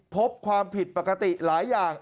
พบความผิดปกติหลายอย่าง